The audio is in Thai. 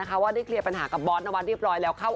ออกงานอีเวนท์ครั้งแรกไปรับรางวัลเกี่ยวกับลูกทุ่ง